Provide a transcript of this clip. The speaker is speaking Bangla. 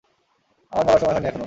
আমার মরার সময় হয়নি এখনও।